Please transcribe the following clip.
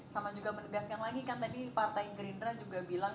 sama juga menegaskan lagi kan tadi partai gerindra juga bilang